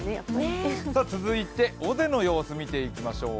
続いて、尾瀬の様子見ていきましょう。